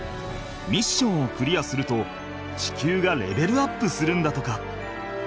ミッションをクリアすると地球がレベルアップするんだとか。